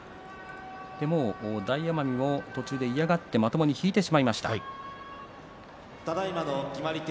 大奄美も途中で嫌がって引いてしまいました。